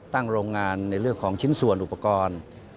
โรงงานในเรื่องของชิ้นส่วนอุปกรณ์